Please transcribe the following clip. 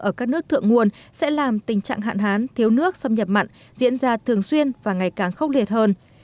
ở các nước thượng nguồn sẽ làm tình trạng hạn hán thiếu nước xâm nhập mặn diễn ra thường xuyên và ngày càng khốc liệt hơn